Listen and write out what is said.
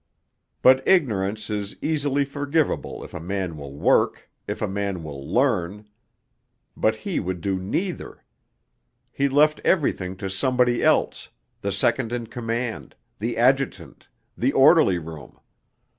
But ignorance is easily forgivable if a man will work, if a man will learn. But he would neither. He left everything to somebody else, the second in command, the adjutant, the orderly room.